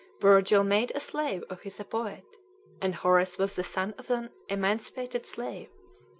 Virgil made a slave of his a poet, and Horace was the son of an emancipated slave.